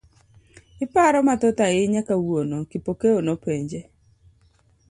iparo mathoth ahinya kawuono, Kipokeo nopenje.